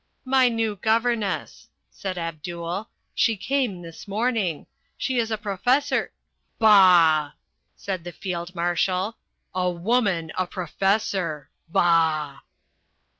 "My new governess," said Abdul. "She came this morning. She is a professor " "Bah!" said the Field Marshal, "a woman a professor! Bah!"